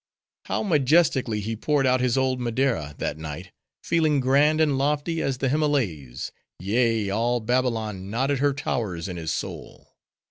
How majestically he poured out his old Madeira that night!—feeling grand and lofty as the Himmalehs; yea, all Babylon nodded her towers in his soul!